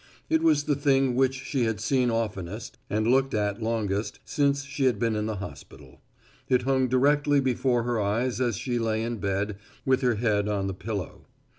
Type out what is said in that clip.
It was the thing which she had seen oftenest and looked at longest since she had been in the hospital. It hung directly before her eyes as she lay in bed with her head on the pillow.